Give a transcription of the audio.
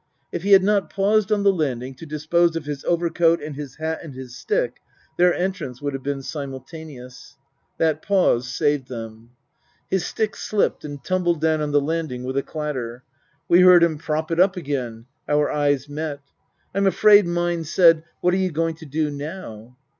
If he had not paused on the landing to dispose of his overcoat and his hat and his stick, their entrance would have been simultaneous. That pause saved them. His stick slipped and tumbled down on the landing with a clatter. We heard him prop it up again. Our eyes met. I'm afraid mine said :" What are you going to do now